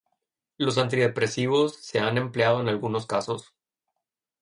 Los antidepresivos se han empleado en algunos casos.